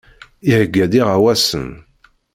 Iheyya-d iɣawasen.